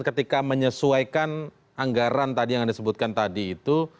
ketika menyesuaikan anggaran tadi yang anda sebutkan tadi itu